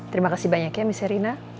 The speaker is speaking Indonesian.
terima kasih banyak ya miss erina